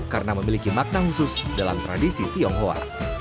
karena memiliki makna khusus dalam tradisi tionghoa